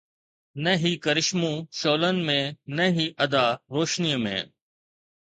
نه هي ڪرشمو شعلن ۾، نه هي ادا روشنيءَ ۾